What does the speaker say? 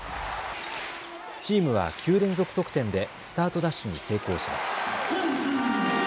チームは９連続得点でスタートダッシュに成功します。